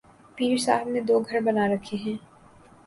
پیر صاحب نے دوگھر بنا رکھے ہیں۔